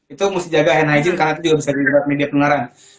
itu mesti jaga hand hygiene karena itu juga bisa dihargai media penularan